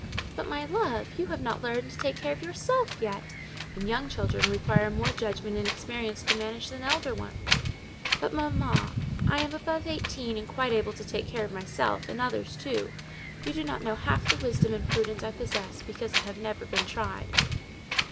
"But, my love, you have not learned to take care of _yourself _yet: and young children require more judgment and experience to manage than elder ones." "But, mamma, I am above eighteen, and quite able to take care of myself, and others too. You do not know half the wisdom and prudence I possess, because I have never been tried."